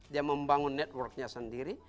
dia membangun networknya sendiri